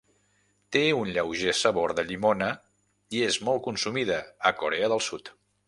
Té un lleuger sabor de llimona i és molt consumida a Corea del Sud.